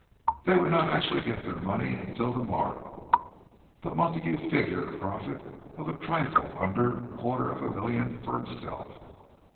They would not actually get their money until the morrow; but Montague figured a profit of a trifle under a quarter of a million for himself.